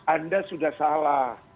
anda sudah salah